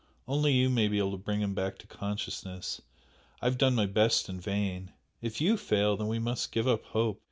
Only you may be able to bring him back to consciousness, I have done my best in vain. If YOU fail then we must give up hope."